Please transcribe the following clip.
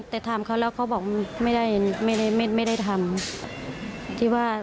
แต่ทำเขาแล้วเขาบอกไม่ได้ทำ